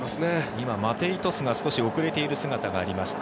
今、マテイ・トスが少し遅れている姿がありました。